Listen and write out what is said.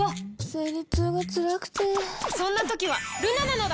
生理痛がつらくてそんな時はルナなのだ！